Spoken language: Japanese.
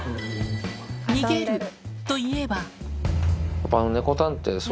「逃げる」といえば。